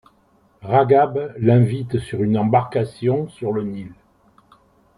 Ragab l'invite sur une embarcation sur le Nil.